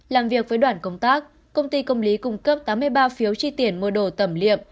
làm việc với đoàn công tác công ty công lý cung cấp tám mươi ba phiếu chi tiền mua đồ tẩm liệm